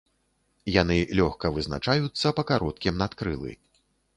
Яны лёгка вызначаюцца па кароткім надкрылы.